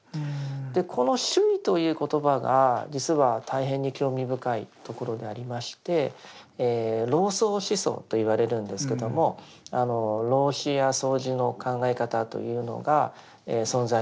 この「守意」という言葉が実は大変に興味深いところでありまして「老荘思想」と言われるんですけども老子や荘子の考え方というのが存在してたといいます。